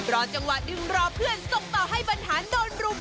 รอจังหวะดึงรอเพื่อนส่งต่อให้บรรหารโดนรุม